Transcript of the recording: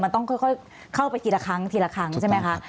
มันต้องค่อยเข้าไปทีละครั้งทีละครั้งใช่ไหมคะ